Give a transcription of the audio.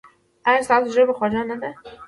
ایا ستاسو ژبه خوږه نه ده؟